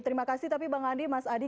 terimakasih tapi bang hadi mas adi